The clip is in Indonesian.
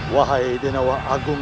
wahai denawa agung